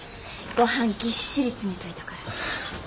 ごはんぎっしり詰めといたから。